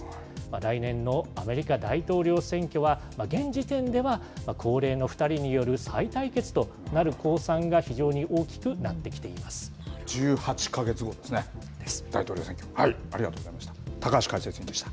来年のアメリカ大統領選挙は、現時点では、高齢の２人による再対決となる公算が非常に大きくなってきていま１８か月後ですね、大統領選挙。